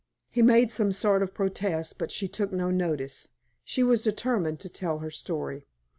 He made some sort of a protest, but she took no notice. She was determined to tell her story.